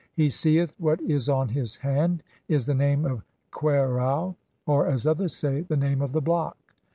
"He seeth what is on his hand" is the name of Qerau ; or (as others say), (143) the name of the block.